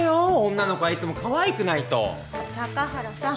女の子はいつもかわいくないと坂原さん